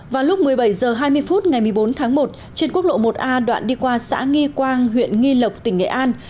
vào lúc một mươi bảy h hai mươi phút ngày một mươi bốn tháng một trên quốc lộ một a đoạn đi qua xã nghi quang huyện nghi lộc tỉnh nghệ an